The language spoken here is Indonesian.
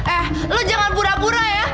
eh lo jangan pura pura ya